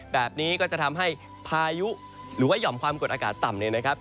แบบนี้ก็จะทำให้พายุหรือว่าหย่อมความกดอากาศต่ำเนี่ยนะครับ